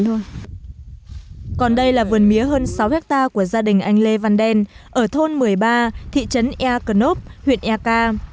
vườn mía này là vườn mía hơn sáu hectare của gia đình anh lê văn đen ở thôn một mươi ba thị trấn e cần úp huyện e ca